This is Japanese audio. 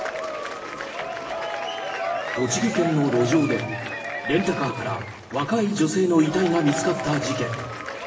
栃木県の路上でレンタカーから若い女性の遺体が見つかった事件。